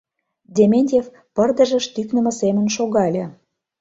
— Дементьев пырдыжыш тӱкнымӧ семын шогале.